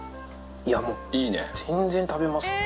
いやもう、全然食べますね。